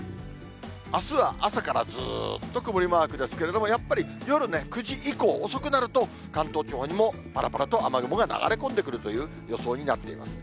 あすは朝からずーっと曇りマークですけれども、やっぱり夜ね、９時以降、遅くなると、関東地方にもぱらぱらと雨雲が流れ込んでくるという予想になっています。